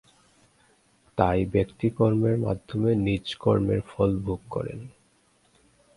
তাই ব্যক্তি কর্মের মাধ্যমে নিজ কর্মের ফল ভোগ করেন।